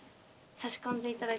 差し込んでいただいて。